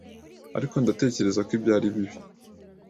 Ariko ndatekereza ko ibyo ari bibi.